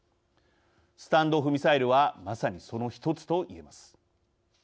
スタンド・オフ・ミサイルはまさにその一つと言えます。